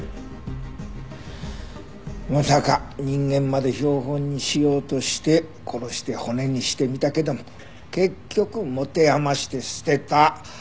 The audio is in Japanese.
まさか人間まで標本にしようとして殺して骨にしてみたけども結局持て余して捨てた。